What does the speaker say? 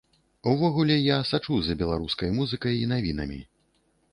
Увогуле я сачу за беларускай музыкай і навінамі.